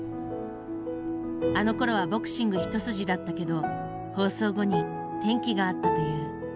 あのころはボクシング一筋だったけど放送後に転機があったという。